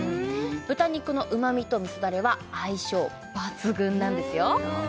豚肉のうまみと味噌だれは相性抜群なんですよ